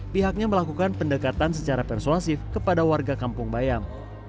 pihaknya melakukan pendekatan secara persuasif kepada warga kampung bayam